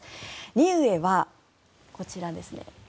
ニウエはこちらですね。